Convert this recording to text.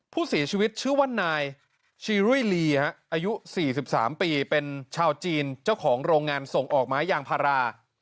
ผู้เสียชีวิตชื่อว่านายชีรุ่ยลีอายุ๔๓ปีเป็นชาวจีนเจ้าของโรงงานส่งออกไม้ยางพารา